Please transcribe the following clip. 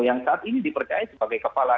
yang saat ini dipercaya sebagai kepala